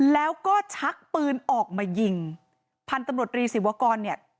แล้วก็ชักปืนออกมายิงพันธุ์ตำรวจรีศิวากรเนี่ย